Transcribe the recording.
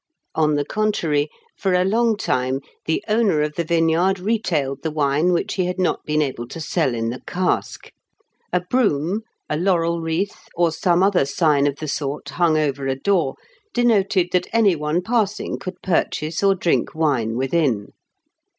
On the contrary, for a long time the owner of the vineyard retailed the wine which he had not been able to sell in the cask. A broom, a laurel wreath, or some other sign of the sort hung over a door, denoted that any one passing could purchase or drink wine within.